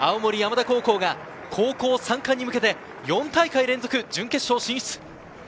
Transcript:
青森山田高校が高校三冠に向けて４大会連続、準決勝進出。